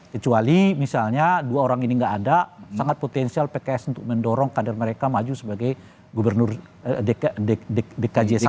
kecuali misalnya dua orang ini nggak ada sangat potensial pks untuk mendorong kader mereka maju sebagai gubernur dkj satu